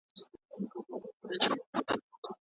هیوادونه د ساینس په برخه کي مشترکې پروژې لري.